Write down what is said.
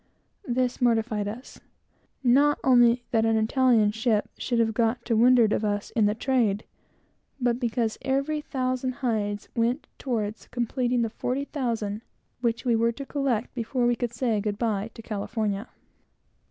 This mortified us; not only that an Italian ship should have got to windward of us in the trade, but because every thousand hides went toward completing the forty thousand which we were to collect before we could say good by to California.